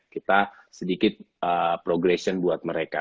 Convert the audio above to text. kita sedikit progression buat mereka